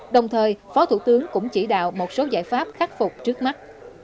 đồng thời phó thủ tướng cũng chỉ đạo một số giải pháp khắc phục trước mắt